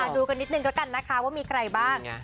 ดูกันนิดนึงแล้วกันนะคะว่ามีใครบ้าง